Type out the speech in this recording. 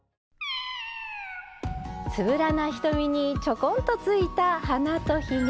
つぶらな瞳にちょこんとついた鼻とひげ。